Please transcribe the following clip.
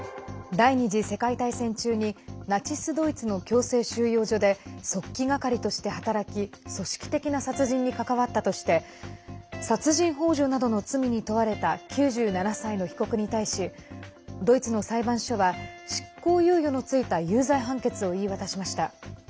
第２次世界大戦中にナチス・ドイツの強制収容所で速記係として働き組織的な殺人に関わったとして殺人ほう助などの罪に問われた９７歳の被告に対しドイツの裁判所は執行猶予のついた有罪判決を言い渡しました。